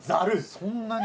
そんなに？